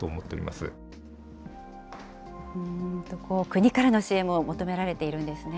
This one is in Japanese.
国からの支援も求められているんですね。